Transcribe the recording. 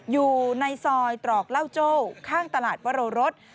อยู่ในซอยตรอกเล่าโจ้ข้างตลาดวรรส